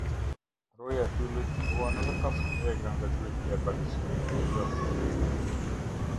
Roja e pyllit ruan edhe kafshët e egra nga gjuetia e paligjshme apo jo.